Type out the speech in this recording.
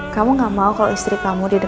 kamu gak mau kalau istri kamu cemburu